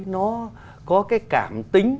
nó có cái cảm tính